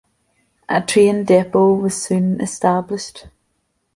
A train depot was soon established.